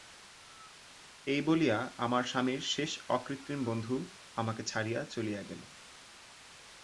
এই বলিয়া আমার স্বামীর শেষ অকৃত্রিম বন্ধু আমাকে ছাড়িয়া চলিয়া গেল।